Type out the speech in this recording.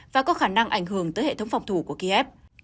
và có khả năng ảnh hưởng tới hệ thống phòng thủ của kiev